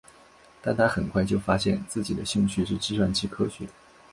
但他很快就发现自己的兴趣是计算机科学。